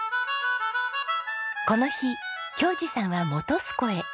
この日恭嗣さんは本栖湖へ。